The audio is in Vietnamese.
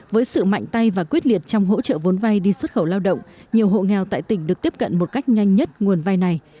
với sự mạnh tay và quyết liệt trong hỗ trợ vốn vay đi xuất khẩu lao động nhiều hộ nghèo tại tỉnh được tiếp cận một cách nhanh nhất nguồn vai này